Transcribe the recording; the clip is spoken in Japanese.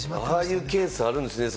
ああいうのあるんですね。